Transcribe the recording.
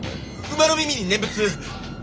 馬の耳に念仏。